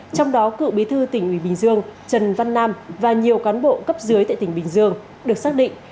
trong đó cựu bí thư tỉnh ủy bình dương trần văn nam và nhiều cán bộ cấp dưới tại tỉnh bình dương được xác định